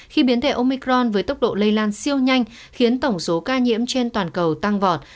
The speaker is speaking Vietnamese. khi biến thể omicron với tốc độ lây lan siêu nhanh khiến tổng số ca nhiễm trên toàn cầu tăng vọt